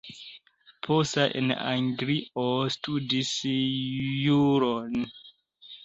Poste en Anglio studis juron.